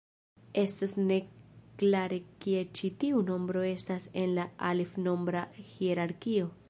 Estas ne klare kie ĉi tiu nombro estas en la alef-nombra hierarkio.